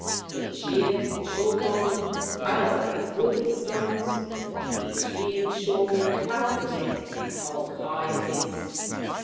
Each year the Shore Goblin piles up his wood and stones. Each year the Shore men cast the net and hold high feast.